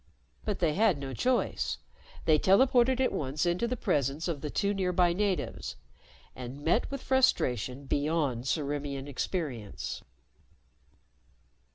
But they had no choice. They teleported at once into the presence of the two nearby natives and met with frustration beyond Ciriimian experience.